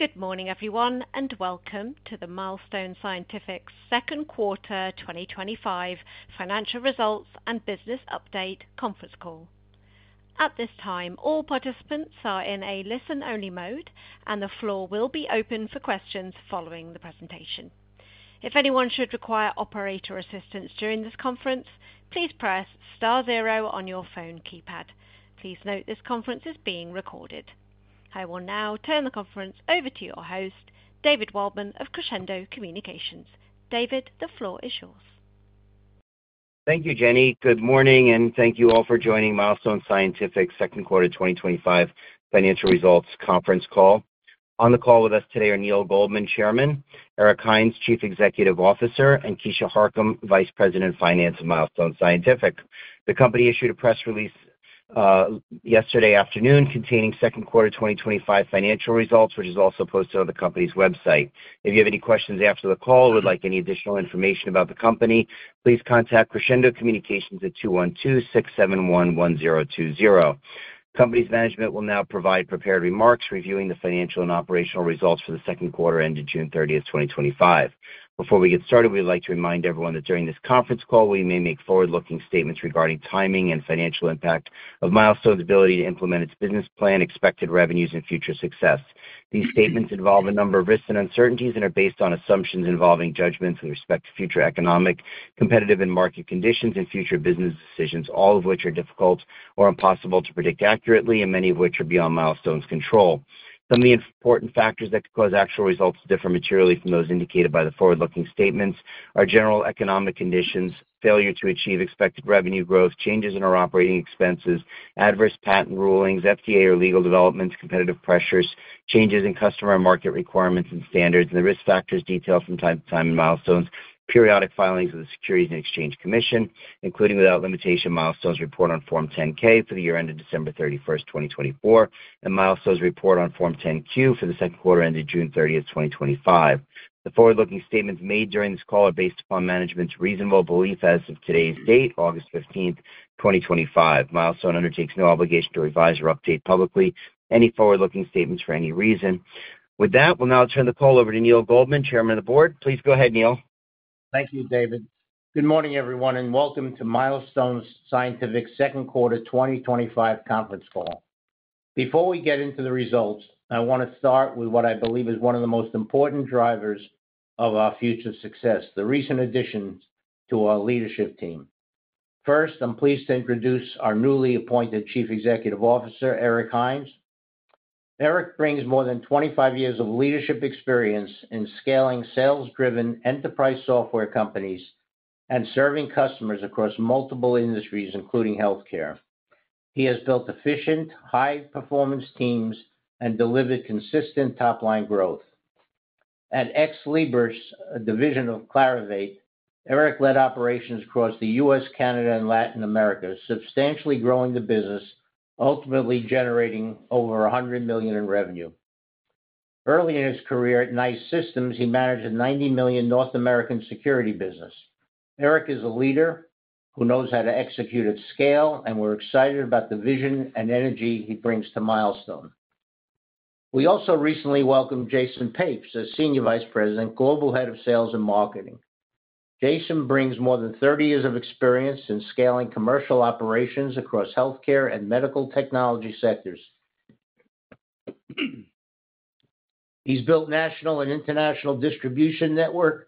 Good morning, everyone, and welcome to Milestone Scientific's Second Quarter 2025 Financial Results and Business Update Conference Call. At this time, all participants are in a listen-only mode, and the floor will be open for questions following the presentation. If anyone should require operator assistance during this conference, please press star zero on your phone keypad. Please note this conference is being recorded. I will now turn the conference over to your host, David Waldman of Crescendo Communications. David, the floor is yours. Thank you, Jenny. Good morning, and thank you all for joining Milestone Scientific's Second Quarter 2025 Financial Results Conference Call. On the call with us today are Neal Goldman, Chairman; Eric Hines, Chief Executive Officer; and Keisha Harcum, Vice President of Finance at Milestone Scientific. The company issued a press release yesterday afternoon containing second quarter 2025 financial results, which is also posted on the company's website. If you have any questions after the call or would like any additional information about the company, please contact Crescendo Communications at 212-671-1020. Company's management will now provide prepared remarks reviewing the financial and operational results for the second quarter ended June 30, 2025. Before we get started, we'd like to remind everyone that during this conference call, we may make forward-looking statements regarding timing and financial impact of Milestone's ability to implement its business plan, expected revenues, and future success. These statements involve a number of risks and uncertainties and are based on assumptions involving judgments with respect to future economic, competitive, and market conditions and future business decisions, all of which are difficult or impossible to predict accurately, and many of which are beyond Milestone's control. Some of the important factors that could cause actual results to differ materially from those indicated by the forward-looking statements are general economic conditions, failure to achieve expected revenue growth, changes in our operating expenses, adverse patent rulings, FDA or legal developments, competitive pressures, changes in customer and market requirements and standards, and the risk factors detailed from time to time in Milestone's periodic filings of the Securities and Exchange Commission, including without limitation Milestone's report on Form 10-K for the year ended December 31st, 2024, and Milestone's report on Form 10-Q for the second quarter ended June 30th, 2025. The forward-looking statements made during this call are based upon management's reasonable belief as of today's date, August 15th, 2025. Milestone Scientific undertakes no obligation to revise or update publicly any forward-looking statements for any reason. With that, we'll now turn the call over to Neal Goldman, Chairman of the Board. Please go ahead, Neal. Thank you, David. Good morning, everyone, and welcome to Milestone Scientific's Second Quarter 2025 Conference Call. Before we get into the results, I want to start with what I believe is one of the most important drivers of our future success: the recent additions to our leadership team. First, I'm pleased to introduce our newly appointed Chief Executive Officer, Eric Hines. Eric brings more than 25 years of leadership experience in scaling sales-driven enterprise software companies and serving customers across multiple industries, including healthcare. He has built efficient, high-performance teams and delivered consistent top-line growth. At Ex Libris, a division of Clarivate, Eric led operations across the U.S., Canada, and Latin America, substantially growing the business, ultimately generating over $100 million in revenue. Early in his career at NICE Systems, he managed a $90 million North American security business. Eric is a leader who knows how to execute at scale, and we're excited about the vision and energy he brings to Milestone. We also recently welcomed Jason Papes as Senior Vice President, Global Head of Sales and Marketing. Jason brings more than 30 years of experience in scaling commercial operations across healthcare and medical technology sectors. He's built national and international distribution networks,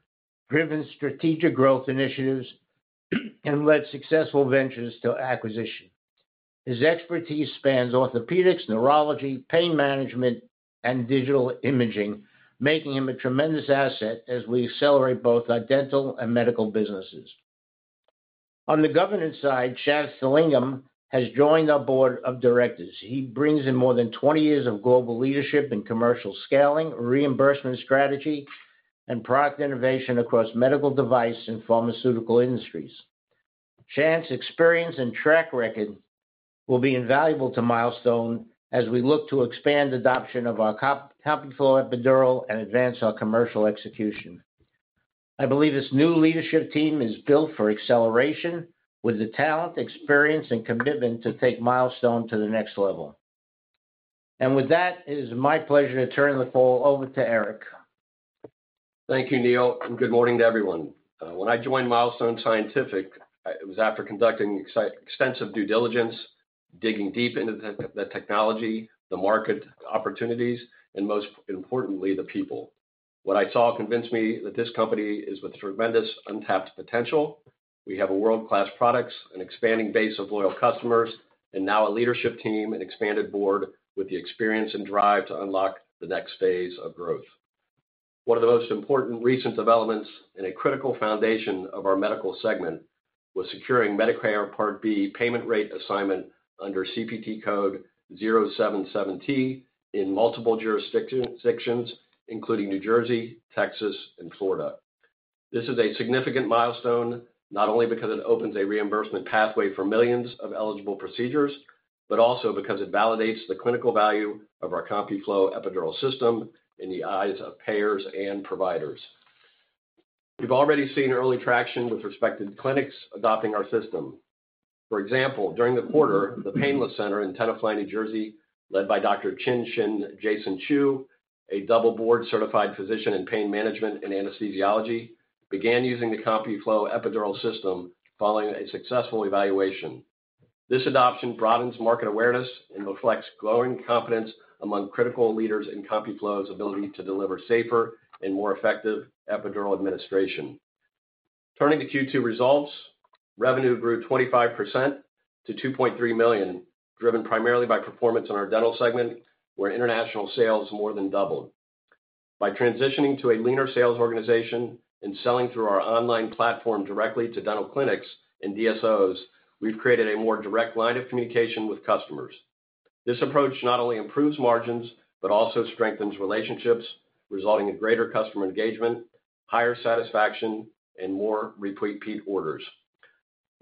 driven strategic growth initiatives, and led successful ventures to acquisition. His expertise spans orthopedics, neurology, pain management, and digital imaging, making him a tremendous asset as we accelerate both our dental and medical businesses. On the governance side, Shanth Thiyagalingam has joined our Board of Directors. He brings in more than 20 years of global leadership in commercial scaling, reimbursement strategy, and product innovation across medical device and pharmaceutical industries. Shanth's experience and track record will be invaluable to Milestone as we look to expand adoption of our CompuFlo Epidural and advance our commercial execution. I believe this new leadership team is built for acceleration with the talent, experience, and commitment to take Milestone to the next level. It is my pleasure to turn the call over to Eric. Thank you, Neal, and good morning to everyone. When I joined Milestone Scientific, it was after conducting extensive due diligence, digging deep into the technology, the market opportunities, and most importantly, the people. What I saw convinced me that this company is with tremendous untapped potential. We have world-class products, an expanding base of loyal customers, and now a leadership team and expanded board with the experience and drive to unlock the next phase of growth. One of the most important recent developments in a critical foundation of our medical segment was securing Medicare Part B payment rate assignment under CPT Code 0777T in multiple jurisdictions, including New Jersey, Texas, and Florida. This is a significant milestone, not only because it opens a reimbursement pathway for millions of eligible procedures, but also because it validates the clinical value of our CompuFlo Epidural System in the eyes of payers and providers. We've already seen early traction with respect to clinics adopting our system. For example, during the quarter, The Painless Center in Tenafly, New Jersey, led by Dr. Chi-Shin Jason Chiu, a double board-certified physician in pain management and anesthesiology, began using the CompuFlo Epidural System following a successful evaluation. This adoption broadens market awareness and reflects growing confidence among critical leaders in CompuFlo's ability to deliver safer and more effective epidural administration. Turning to Q2 results, revenue grew 25% to $2.3 million, driven primarily by performance in our dental segment, where international sales more than doubled. By transitioning to a leaner sales organization and selling through our online platform directly to dental clinics and DSOs, we've created a more direct line of communication with customers. This approach not only improves margins but also strengthens relationships, resulting in greater customer engagement, higher satisfaction, and more repeat orders.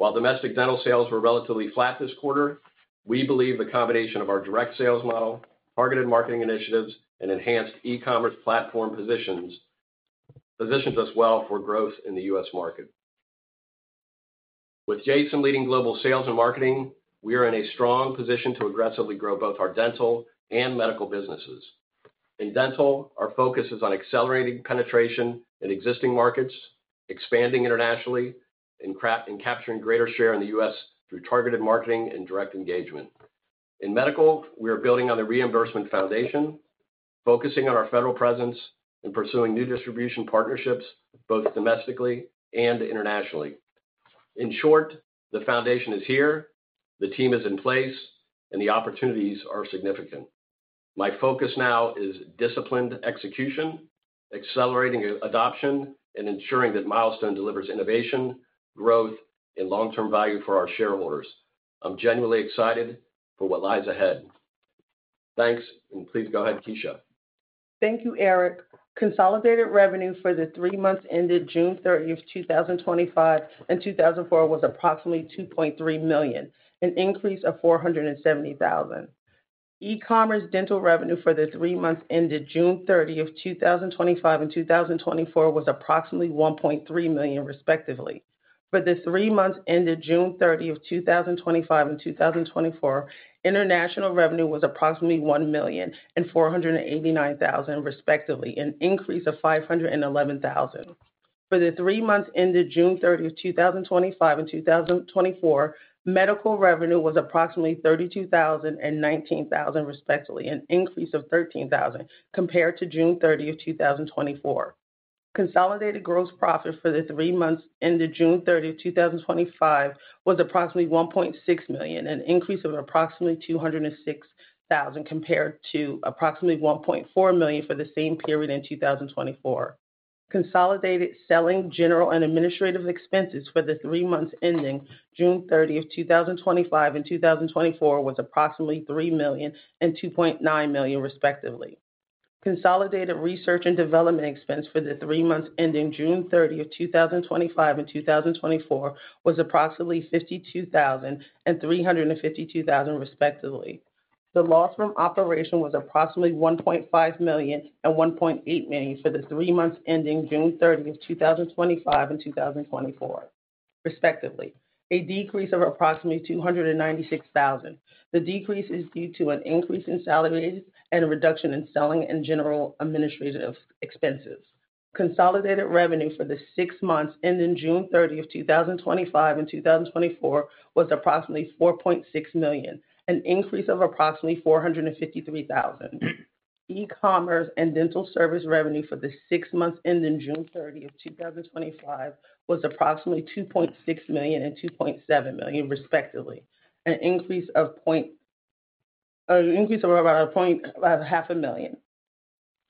While domestic dental sales were relatively flat this quarter, we believe the combination of our direct sales model, targeted marketing initiatives, and enhanced e-commerce platform positions us well for growth in the U.S. market. With Jason leading global sales and marketing, we are in a strong position to aggressively grow both our dental and medical businesses. In dental, our focus is on accelerating penetration in existing markets, expanding internationally, and capturing greater share in the U.S. through targeted marketing and direct engagement. In medical, we are building on the reimbursement foundation, focusing on our federal presence and pursuing new distribution partnerships, both domestically and internationally. In short, the foundation is here, the team is in place, and the opportunities are significant. My focus now is disciplined execution, accelerating adoption, and ensuring that Milestone delivers innovation, growth, and long-term value for our shareholders. I'm genuinely excited for what lies ahead. Thanks, and please go ahead, Keisha. Thank you, Eric. Consolidated revenue for the three months ended June 30th, 2025 and 2024 was approximately $2.3 million, an increase of $470,000. E-commerce dental revenue for the three months ended June 30th, 2025 and 2024 was approximately $1.3 million, respectively. For the three months ended June 30th, 2025 and 2024, international revenue was approximately $1,489,000, respectively, an increase of $511,000. For the three months ended June 30th, 2025 and 2024, medical revenue was approximately $32,019, respectively, an increase of $13,000 compared to June 30th, 2024. Consolidated gross profit for the three months ended June 30th, 2025 was approximately $1.6 million, an increase of approximately $206,000 compared to approximately $1.4 million for the same period in 2024. Consolidated selling, general and administrative expenses for the three months ending June 30th, 2025 and 2024 was approximately $3 million and $2.9 million, respectively. Consolidated research and development expense for the three months ending June 30th, 2025 and 2024 was approximately $52,000 and $352,000, respectively. The loss from operation was approximately $1.5 million and $1.8 million for the three months ending June 30th, 2025 and 2024, respectively, a decrease of approximately $296,000. The decrease is due to an increase in salaries and a reduction in selling and general administrative expenses. Consolidated revenue for the six months ending June 30th, 2025 and 2024 was approximately $4.6 million, an increase of approximately $453,000. E-commerce and dental service revenue for the six months ending June 30th, 2025 was approximately $2.6 million and $2.7 million, respectively, an increase of about $0.5 million.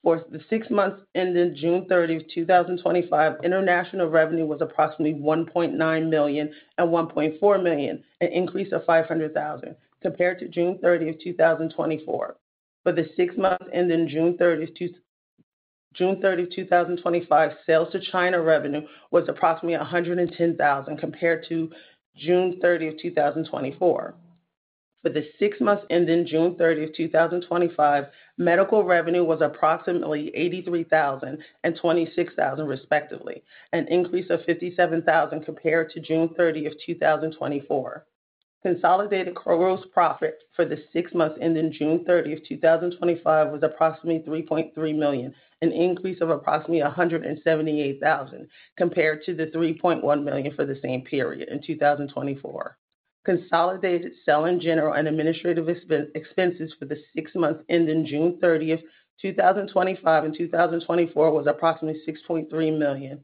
For the six months ending June 30th, 2025, international revenue was approximately $1.9 million and $1.4 million, an increase of $500,000 compared to June 30th, 2024. For the six months ending June 30th, 2025, sales to China revenue was approximately $110,000 compared to June 30th, 2024. For the six months ending June 30th, 2025, medical revenue was approximately $83,000 and $26,000, respectively, an increase of $57,000 compared to June 30th, 2024. Consolidated gross profit for the six months ending June 30th, 2025 was approximately $3.3 million, an increase of approximately $178,000 compared to the $3.1 million for the same period in 2024. Consolidated selling, general, and administrative expenses for the six months ending June 30th, 2025, and 2024 were approximately $6.3 million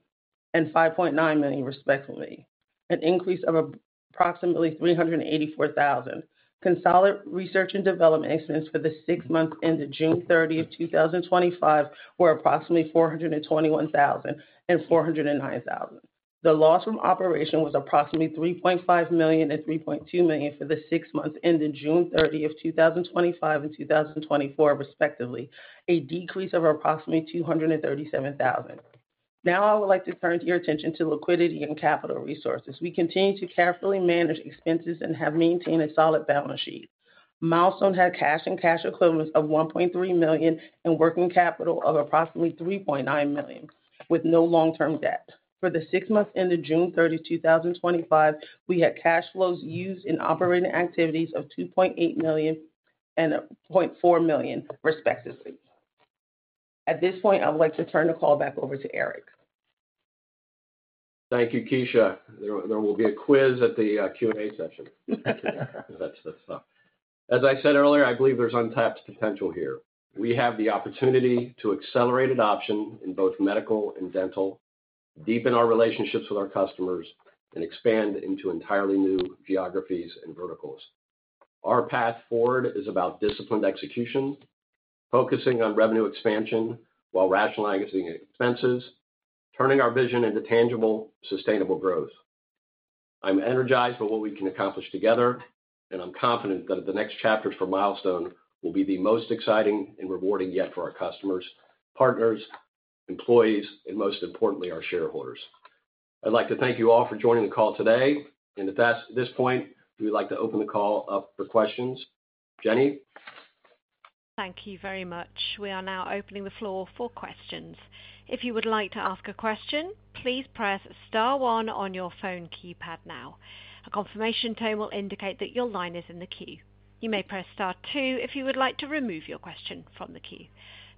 and $5.9 million, respectively, an increase of approximately $384,000. Consolidated research and development expenses for the six months ending June 30th, 2025, were approximately $421,000 and $409,000. The loss from operation was approximately $3.5 million and $3.2 million for the six months ending June 30th, 2025, and 2024, respectively, a decrease of approximately $237,000. Now I would like to turn your attention to liquidity and capital resources. We continue to carefully manage expenses and have maintained a solid balance sheet. Milestone had cash and cash equivalents of $1.3 million and working capital of approximately $3.9 million, with no long-term debt. For the six months ended June 30th, 2025, we had cash flows used in operating activities of $2.8 million and $0.4 million, respectively. At this point, I would like to turn the call back over to Eric. Thank you, Keisha. There will be a quiz at the Q&A session. As I said earlier, I believe there's untapped potential here. We have the opportunity to accelerate adoption in both medical and dental, deepen our relationships with our customers, and expand into entirely new geographies and verticals. Our path forward is about disciplined execution, focusing on revenue expansion while rationalizing expenses, turning our vision into tangible, sustainable growth. I'm energized by what we can accomplish together, and I'm confident that the next chapters for Milestone will be the most exciting and rewarding yet for our customers, partners, employees, and most importantly, our shareholders. I'd like to thank you all for joining the call today. At this point, we would like to open the call up for questions. Jenny. Thank you very much. We are now opening the floor for questions. If you would like to ask a question, please press star one on your phone keypad now. A confirmation tone will indicate that your line is in the queue. You may press star two if you would like to remove your question from the queue.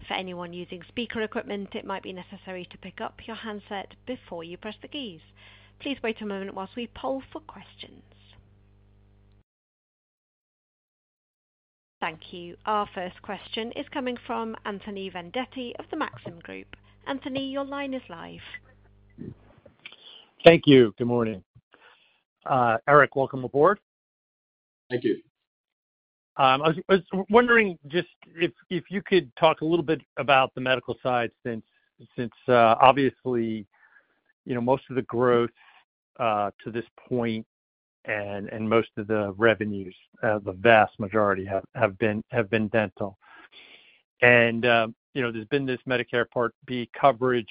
For anyone using speaker equipment, it might be necessary to pick up your handset before you press the keys. Please wait a moment while we poll for questions. Thank you. Our first question is coming from Anthony Vendetti of Maxim Group. Anthony, your line is live. Thank you. Good morning. Eric, welcome aboard. Thank you. I was wondering if you could talk a little bit about the medical side since, obviously, most of the growth to this point and most of the revenues, the vast majority, have been dental. There's been this Medicare Part B coverage,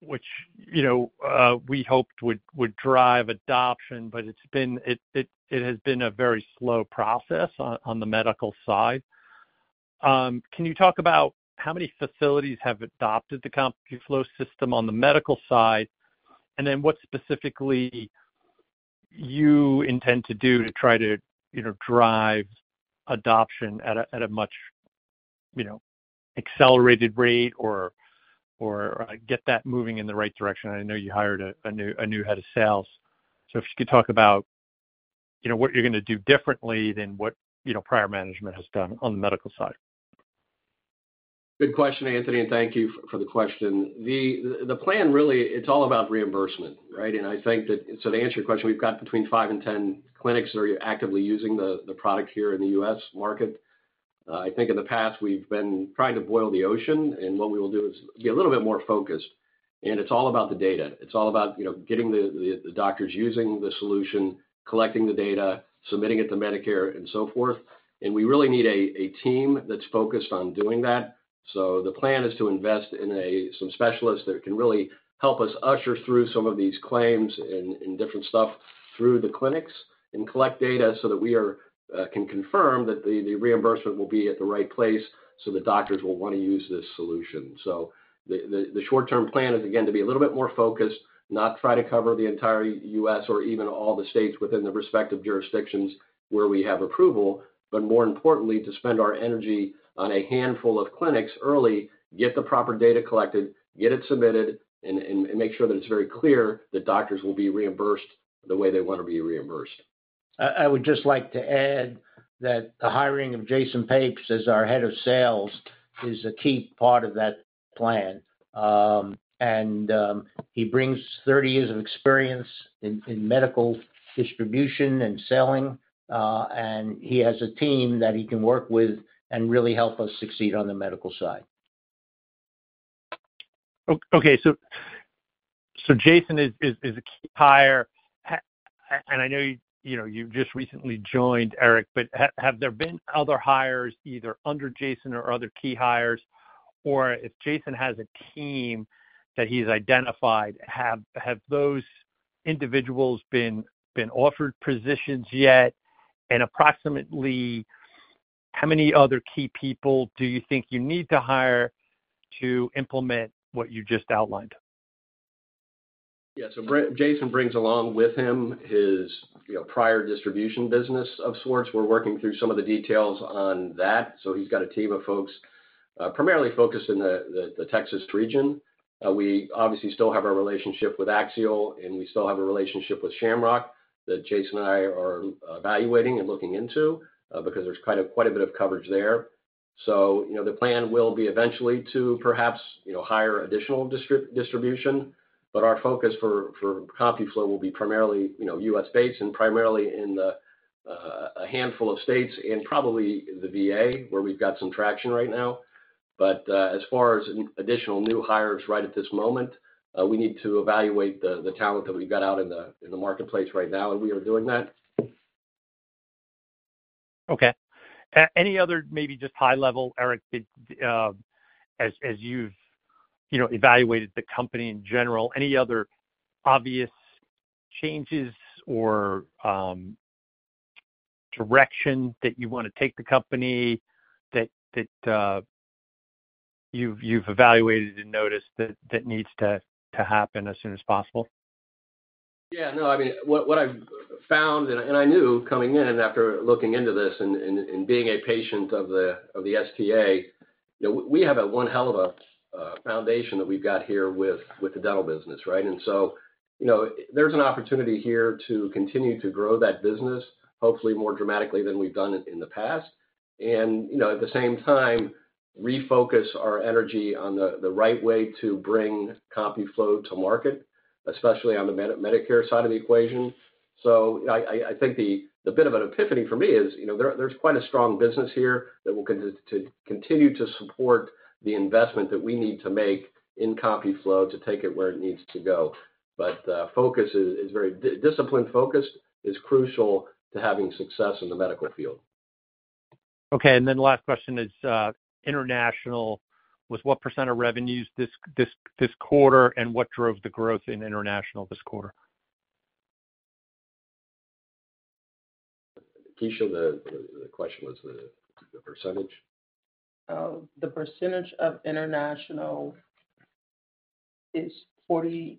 which we hoped would drive adoption, but it has been a very slow process on the medical side. Can you talk about how many facilities have adopted the CompuFlo System on the medical side? What specifically do you intend to do to try to drive adoption at a much accelerated rate or get that moving in the right direction? I know you hired a new Head of Sales. If you could talk about what you're going to do differently than what prior management has done on the medical side. Good question, Anthony, and thank you for the question. The plan really, it's all about reimbursement, right? I think that, to answer your question, we've got between 5 and 10 clinics that are actively using the product here in the U.S. market. I think in the past, we've been trying to boil the ocean. What we will do is get a little bit more focused. It's all about the data. It's all about getting the doctors using the solution, collecting the data, submitting it to Medicare, and so forth. We really need a team that's focused on doing that. The plan is to invest in some specialists that can really help us usher through some of these claims and different stuff through the clinics and collect data so that we can confirm that the reimbursement will be at the right place so the doctors will want to use this solution. The short-term plan is, again, to be a little bit more focused, not try to cover the entire U.S. or even all the states within the respective jurisdictions where we have approval, but more importantly, to spend our energy on a handful of clinics early, get the proper data collected, get it submitted, and make sure that it's very clear that doctors will be reimbursed the way they want to be reimbursed. I would just like to add that the hiring of Jason Papes as our Head of Sales is a key part of that plan. He brings 30 years of experience in medical distribution and selling, and he has a team that he can work with and really help us succeed on the medical side. Okay. Jason is a key hire. I know you just recently joined, Eric, but have there been other hires either under Jason or other key hires, or if Jason has a team that he's identified, have those individuals been offered positions yet? Approximately how many other key people do you think you need to hire to implement what you just outlined? Yeah. Jason brings along with him his prior distribution business of sorts. We're working through some of the details on that. He's got a team of folks primarily focused in the Texas region. We obviously still have a relationship with Axial, and we still have a relationship with Shamrock that Jason and I are evaluating and looking into because there's quite a bit of coverage there. The plan will be eventually to perhaps hire additional distribution, but our focus for CompuFlo will be primarily U.S.-based and primarily in a handful of states and probably the VA where we've got some traction right now. As far as additional new hires right at this moment, we need to evaluate the talent that we've got out in the marketplace right now, and we are doing that. Okay. Any other maybe just high-level, Eric, as you've evaluated the company in general, any other obvious changes or direction that you want to take the company that you've evaluated and noticed that needs to happen as soon as possible? Yeah. No, I mean, what I've found, and I knew coming in after looking into this and being a patient of the STA, you know, we have one hell of a foundation that we've got here with the dental business, right? You know, there's an opportunity here to continue to grow that business, hopefully more dramatically than we've done it in the past. At the same time, refocus our energy on the right way to bring CompuFlo to market, especially on the Medicare side of the equation. I think the bit of an epiphany for me is, you know, there's quite a strong business here that will continue to support the investment that we need to make in CompuFlo to take it where it needs to go. The focus is very disciplined focused, is crucial to having success in the medical field. Okay. The last question is international, was what percent of revenues this quarter and what drove the growth in international this quarter? Keisha, the question was the percentage. The percentage of international is 48%.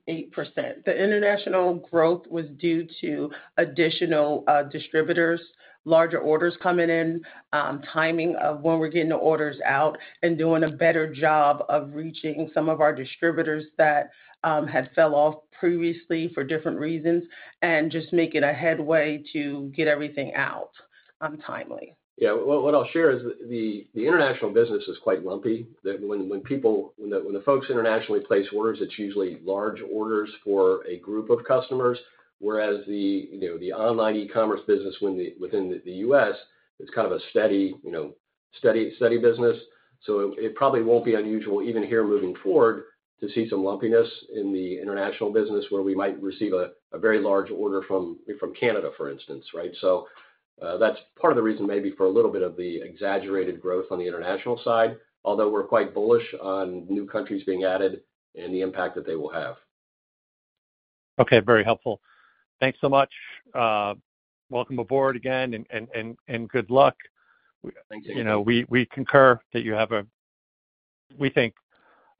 The international growth was due to additional distributors, larger orders coming in, timing of when we're getting the orders out, and doing a better job of reaching some of our distributors that had fell off previously for different reasons, and just making a headway to get everything out timely. Yeah. What I'll share is the international business is quite lumpy. When the folks internationally place orders, it's usually large orders for a group of customers, whereas the online e-commerce business within the U.S., it's kind of a steady, you know, steady business. It probably won't be unusual even here moving forward to see some lumpiness in the international business where we might receive a very large order from Canada, for instance, right? That's part of the reason maybe for a little bit of the exaggerated growth on the international side, although we're quite bullish on new countries being added and the impact that they will have. Okay. Very helpful. Thanks so much. Welcome aboard again, and good luck. Thank you. We concur that you have a, we think,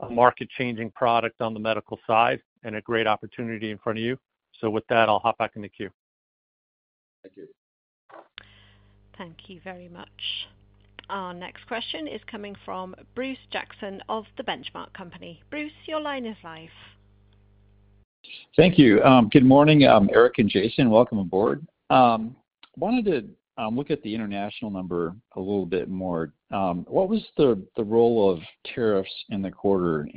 a market-changing product on the medical side and a great opportunity in front of you. With that, I'll hop back in the queue. Thank you. Thank you very much. Our next question is coming from Bruce Jackson of The Benchmark Company. Bruce, your line is live. Thank you. Good morning, Eric and Jason. Welcome aboard. I wanted to look at the international number a little bit more. What was the role of tariffs in the quarter?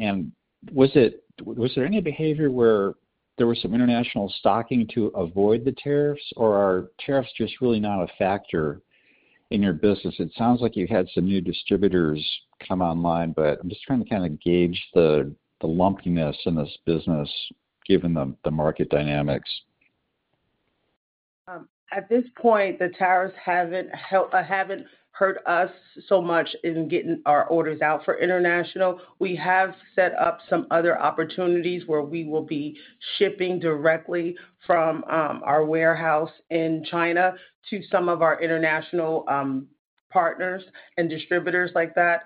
Was there any behavior where there was some international stocking to avoid the tariffs, or are tariffs just really not a factor in your business? It sounds like you had some new distributors come online. I'm just trying to kind of gauge the lumpiness in this business, given the market dynamics. At this point, the tariffs haven't hurt us so much in getting our orders out for international. We have set up some other opportunities where we will be shipping directly from our warehouse in China to some of our international partners and distributors like that.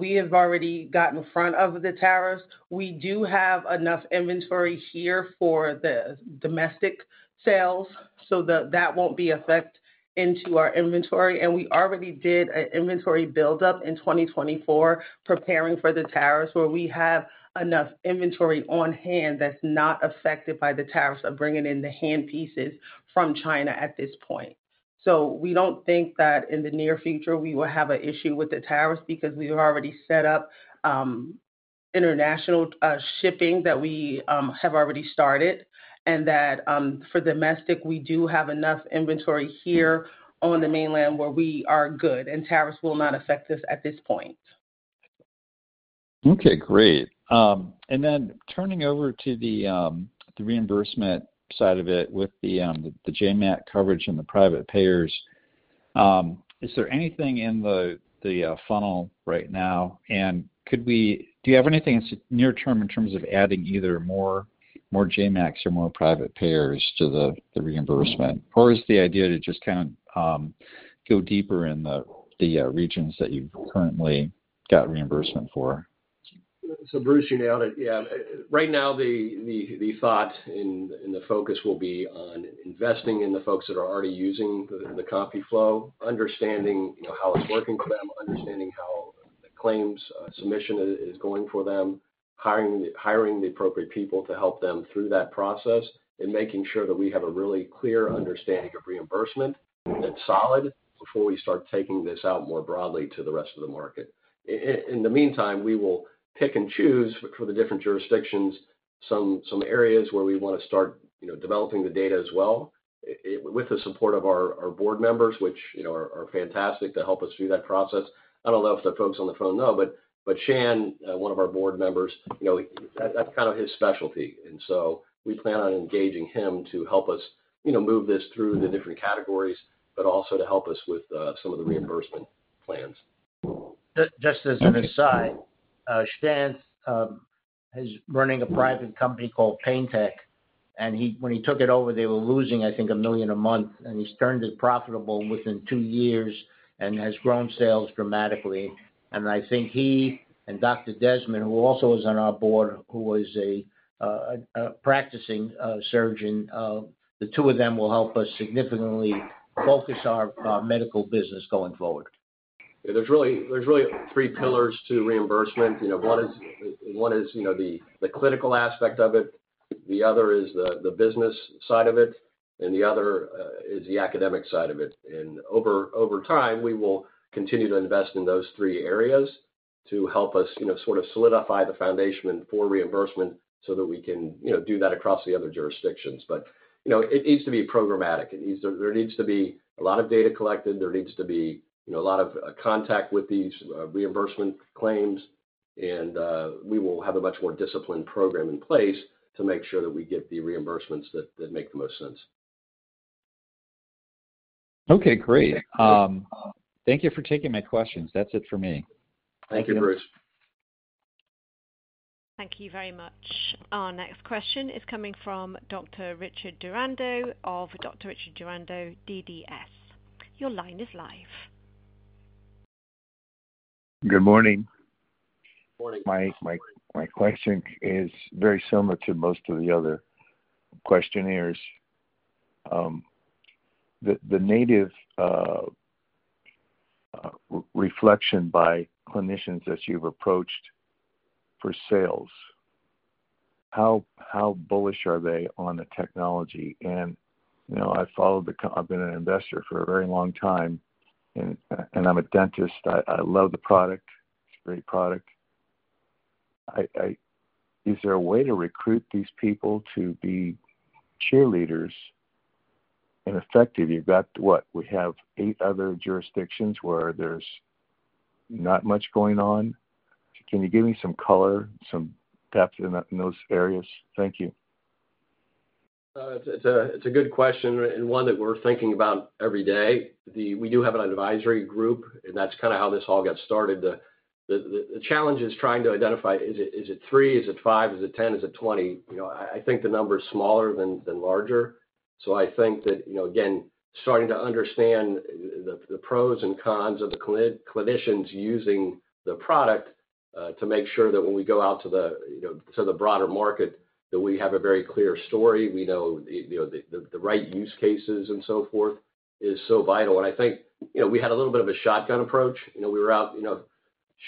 We have already gotten in front of the tariffs. We do have enough inventory here for the domestic sales, so that won't be affected into our inventory. We already did an inventory build-up in 2024, preparing for the tariffs, where we have enough inventory on hand that's not affected by the tariffs of bringing in the hand pieces from China at this point. We don't think that in the near future we will have an issue with the tariffs because we have already set up international shipping that we have already started. For domestic, we do have enough inventory here on the mainland where we are good, and tariffs will not affect us at this point. Okay. Great. Turning over to the reimbursement side of it with the JMAC coverage and the private payers, is there anything in the funnel right now? Could we, do you have anything that's near-term in terms of adding either more JMACs or more private payers to the reimbursement? Is the idea to just kind of go deeper in the regions that you've currently got reimbursement for? Bruce, you nailed it. Right now, the thought and the focus will be on investing in the folks that are already using the CompuFlo, understanding how it's working for them, understanding how the claims submission is going for them, hiring the appropriate people to help them through that process, and making sure that we have a really clear understanding of reimbursement that's solid before we start taking this out more broadly to the rest of the market. In the meantime, we will pick and choose for the different jurisdictions some areas where we want to start developing the data as well with the support of our board members, which are fantastic to help us do that process. I don't know if the folks on the phone know, but Chance, one of our board members, you know, that's kind of his specialty. We plan on engaging him to help us move this through the different categories, but also to help us with some of the reimbursement plans. Just as an aside, Shanth is running a private company called PainTEQ. When he took it over, they were losing, I think, $1 million a month. He has turned it profitable within two years and has grown sales dramatically. I think he and Dr. Demesmin, who also is on our Board, who is a practicing surgeon, the two of them will help us significantly focus our medical business going forward. Yeah. There are really three pillars to reimbursement. One is the clinical aspect of it, the other is the business side of it, and the other is the academic side of it. Over time, we will continue to invest in those three areas to help us sort of solidify the foundation for reimbursement so that we can do that across the other jurisdictions. It needs to be programmatic. There needs to be a lot of data collected, and there needs to be a lot of contact with these reimbursement claims. We will have a much more disciplined program in place to make sure that we get the reimbursements that make the most sense. Okay. Great. Thank you for taking my questions. That's it for me. Thank you, Bruce. Thank you very much. Our next question is coming from Dr. Richard Durando of Dr. Richard S. Durando DDS. Your line is live. Good morning. My question is very similar to most of the other questionnaires. The native reflection by clinicians that you've approached for sales, how bullish are they on the technology? You know I followed the, I've been an investor for a very long time, and I'm a dentist. I love the product. It's a great product. Is there a way to recruit these people to be cheerleaders and effective? You've got what? We have eight other jurisdictions where there's not much going on. Can you give me some color, some depth in those areas? Thank you. It's a good question and one that we're thinking about every day. We do have an advisory group, and that's kind of how this all got started. The challenge is trying to identify, is it three? Is it five? Is it ten? Is it twenty? I think the number is smaller than larger. I think that, again, starting to understand the pros and cons of the clinicians using the product to make sure that when we go out to the broader market, we have a very clear story. We know the right use cases and so forth, which is so vital. I think we had a little bit of a shotgun approach. We were out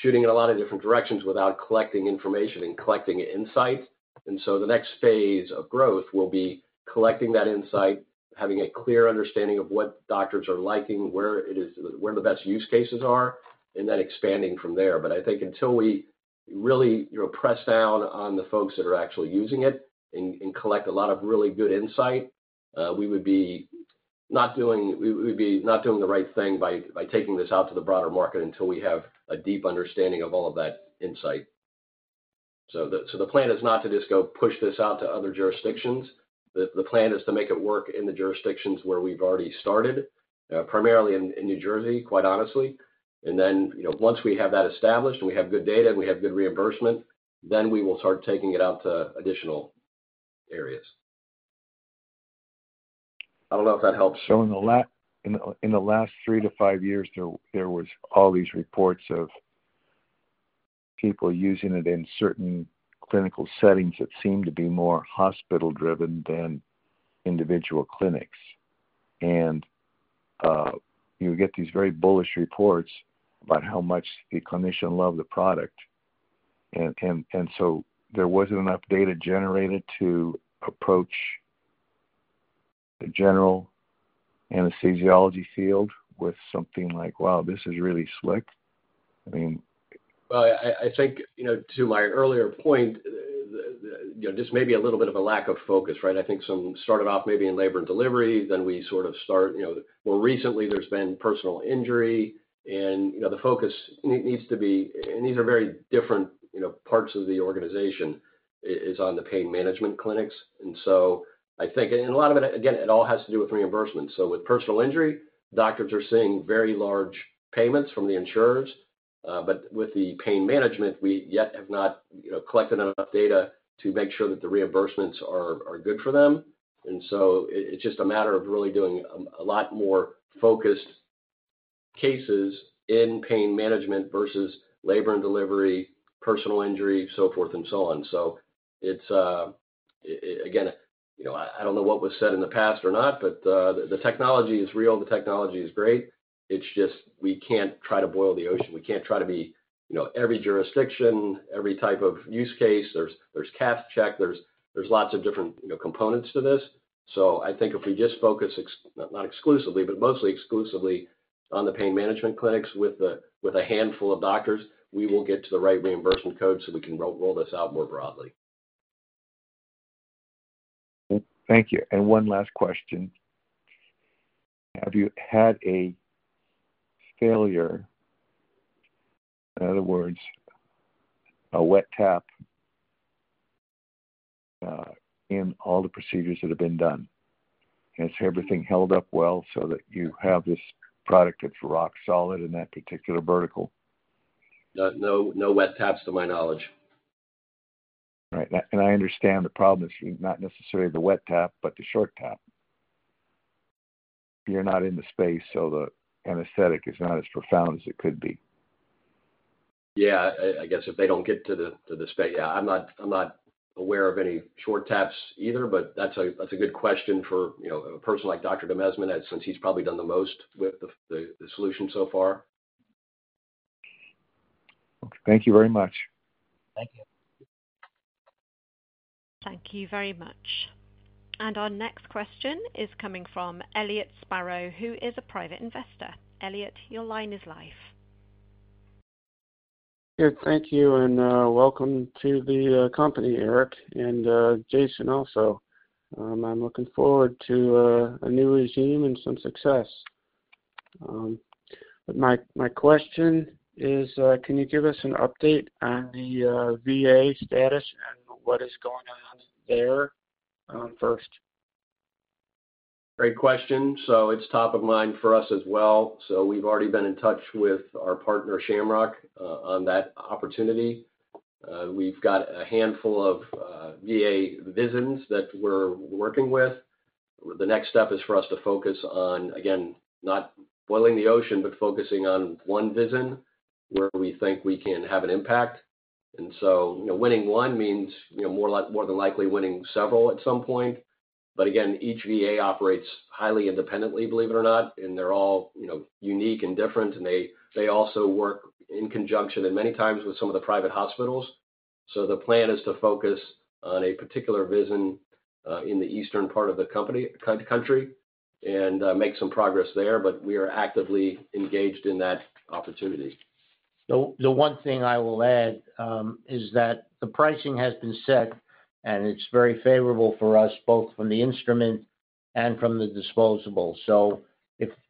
shooting in a lot of different directions without collecting information and collecting insights. The next phase of growth will be collecting that insight, having a clear understanding of what doctors are liking, where the best use cases are, and then expanding from there. I think until we really press down on the folks that are actually using it and collect a lot of really good insight, we would be not doing the right thing by taking this out to the broader market until we have a deep understanding of all of that insight. The plan is not to just go push this out to other jurisdictions. The plan is to make it work in the jurisdictions where we've already started, primarily in New Jersey, quite honestly. Once we have that established and we have good data and we have good reimbursement, then we will start taking it out to additional areas. I don't know if that helps. In the last three to five years, there were all these reports of people using it in certain clinical settings that seemed to be more hospital-driven than individual clinics. You get these very bullish reports about how much the clinician loved the product, and there wasn't enough data generated to approach the general anesthesiology field with something like, wow, this is really slick. I mean. To my earlier point, maybe a little bit of a lack of focus, right? I think some started off maybe in labor and delivery. Then we sort of start, more recently, there's been personal injury. The focus needs to be, and these are very different parts of the organization, on the pain management clinics. A lot of it, again, it all has to do with reimbursement. With personal injury, doctors are seeing very large payments from the insurers. With the pain management, we yet have not collected enough data to make sure that the reimbursements are good for them. It's just a matter of really doing a lot more focused cases in pain management versus labor and delivery, personal injury, so forth and so on. I don't know what was said in the past or not, but the technology is real. The technology is great. We can't try to boil the ocean. We can't try to be every jurisdiction, every type of use case. There's CathCheck. There are lots of different components to this. I think if we just focus, not exclusively, but mostly exclusively on the pain management clinics with a handful of doctors, we will get to the right reimbursement code so we can roll this out more broadly. Thank you. One last question. Have you had a failure, in other words, a wet tap in all the procedures that have been done? Has everything held up well so that you have this product that's rock solid in that particular vertical? No, no wet taps to my knowledge. Right. I understand the problem is not necessarily the wet tap, but the short tap. You're not in the space, so the anesthetic is not as profound as it could be. Yeah. I guess if they don't get to the space, yeah, I'm not aware of any short taps either, but that's a good question for a person like Dr. Demesmin, since he's probably done the most with the solution so far. Thank you very much. Thank you. Thank you very much. Our next question is coming from Elliot Sparrow, who is a private investor. Elliot, your line is live. Eric, thank you and welcome to the company, Eric, and Jason also. I'm looking forward to a new regime and some success. My question is, can you give us an update on the VA status and what is going on there first? Great question. It's top of mind for us as well. We've already been in touch with our partner, Shamrock, on that opportunity. We've got a handful of VA visions that we're working with. The next step is for us to focus on, again, not boiling the ocean, but focusing on one vision where we think we can have an impact. Winning one means, more than likely, winning several at some point. Each VA operates highly independently, believe it or not, and they're all unique and different, and they also work in conjunction many times with some of the private hospitals. The plan is to focus on a particular vision in the eastern part of the country and make some progress there, but we are actively engaged in that opportunity. The one thing I will add is that the pricing has been set, and it's very favorable for us both from the instrument and from the disposable.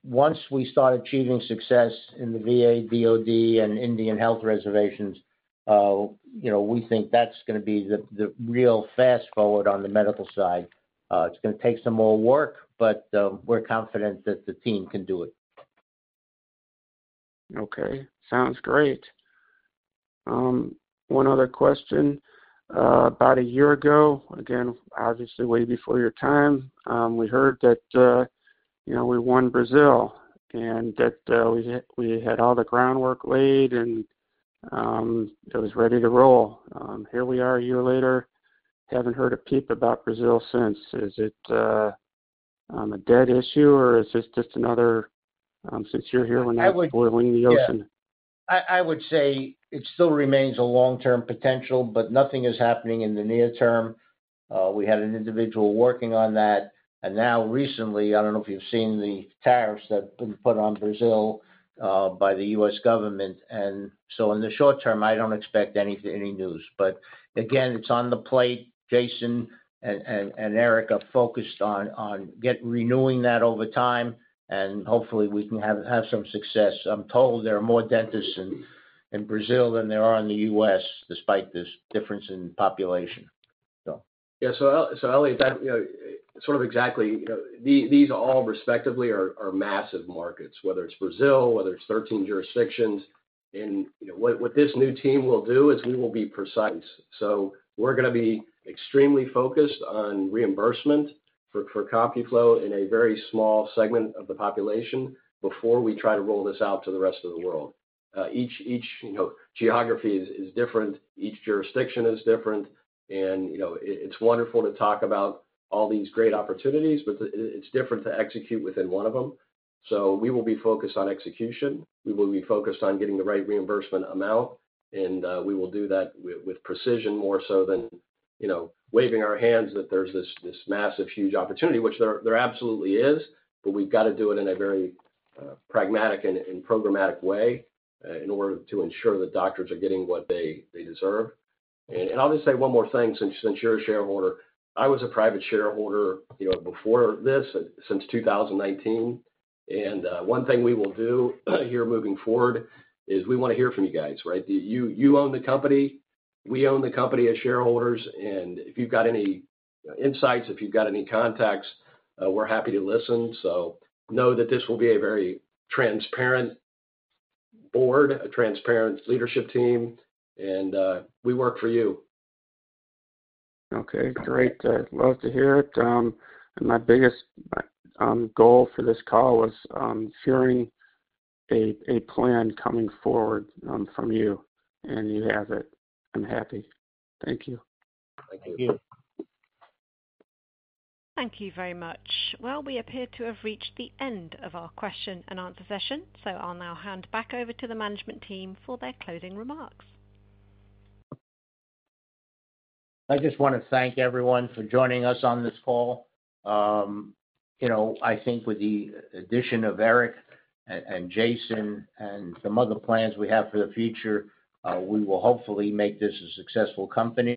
Once we start achieving success in the VA BOD and Indian Health reservations, we think that's going to be the real fast forward on the medical side. It's going to take some more work, but we're confident that the team can do it. Okay. Sounds great. One other question. About a year ago, obviously way before your time, we heard that, you know, we won Brazil and that we had all the groundwork laid and it was ready to roll. Here we are a year later, haven't heard a peep about Brazil since. Is it a dead issue or is this just another, since you're here, we're not boiling the ocean? I would say it still remains a long-term potential, but nothing is happening in the near term. We had an individual working on that. Recently, I don't know if you've seen the tariffs that have been put on Brazil by the U.S. government. In the short term, I don't expect any news. Again, it's on the plate. Jason and Eric are focused on renewing that over time, and hopefully we can have some success. I'm told there are more dentists in Brazil than there are in the U.S. despite this difference in population. Yeah. Elliot, exactly, you know, these all respectively are massive markets, whether it's Brazil, whether it's 13 jurisdictions. What this new team will do is we will be precise. We're going to be extremely focused on reimbursement for CompuFlo in a very small segment of the population before we try to roll this out to the rest of the world. Each geography is different. Each jurisdiction is different. It's wonderful to talk about all these great opportunities, but it's different to execute within one of them. We will be focused on execution. We will be focused on getting the right reimbursement amount. We will do that with precision more so than, you know, waving our hands that there's this massive, huge opportunity, which there absolutely is. We've got to do it in a very pragmatic and programmatic way in order to ensure that doctors are getting what they deserve. I'll just say one more thing, since you're a shareholder. I was a private shareholder before this, since 2019. One thing we will do here moving forward is we want to hear from you guys, right? You own the company. We own the company as shareholders. If you've got any insights, if you've got any contacts, we're happy to listen. Know that this will be a very transparent board, a transparent leadership team, and we work for you. Great. I'd love to hear it. My biggest goal for this call was hearing a plan coming forward from you. You have it. I'm happy. Thank you. Thank you. Thank you very much. We appear to have reached the end of our question and answer session. I'll now hand back over to the management team for their closing remarks. I just want to thank everyone for joining us on this call. I think with the addition of Eric and Jason and some other plans we have for the future, we will hopefully make this a successful company.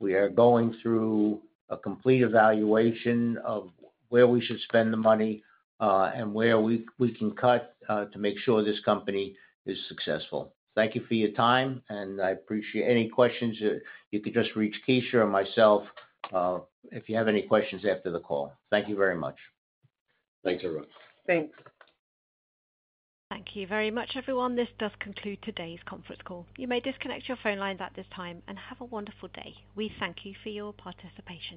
We are going through a complete evaluation of where we should spend the money and where we can cut to make sure this company is successful. Thank you for your time, and I appreciate any questions. You can just reach Keisha or myself if you have any questions after the call. Thank you very much. Thanks, everyone. Thanks. Thank you very much, everyone. This does conclude today's conference call. You may disconnect your phone lines at this time and have a wonderful day. We thank you for your participation.